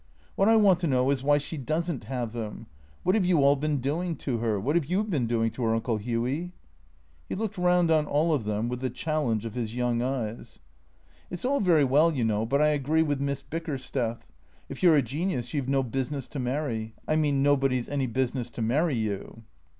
" What I want to know is why she does n't have them ? What have you all been doing to her ? 'WTiat have ijou been doing to her. Uncle Hughy ?" He looked round on all of them with the challenge of his young eyes. 412 THECEEATOES " It 's all very well, you know, but I agree with Miss Bicker steth. If you 're a genius you 've no business to marry — I mean nobody 's any business to marry you."